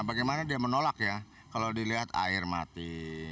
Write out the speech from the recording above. bagaimana dia menolak ya kalau dilihat air mati